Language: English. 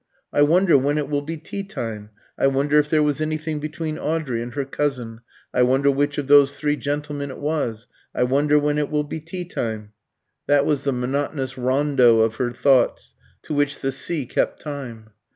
"I wonder when it will be tea time? I wonder if there was anything between Audrey and her cousin? I wonder which of those three gentlemen it was? I wonder when it will be tea time?" That was the monotonous rondo of her thoughts to which the sea kept time.